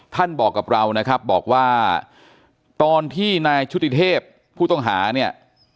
บอกกับเรานะครับบอกว่าตอนที่นายชุติเทพผู้ต้องหาเนี่ย